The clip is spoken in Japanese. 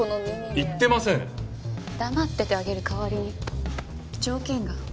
黙っててあげる代わりに条件が。